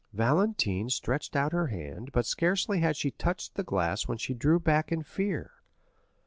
Valentine stretched out her hand, but scarcely had she touched the glass when she drew back in fear.